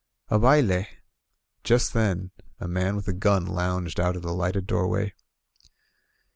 A baUe! Just then a man with a gun lounged out of the lighted doorway.